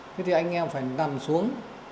thế thì anh em phải nằm xuống